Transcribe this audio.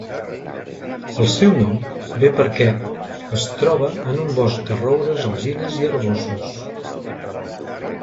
El seu nom ve perquè es troba en un bosc de roures, alzines i arboços.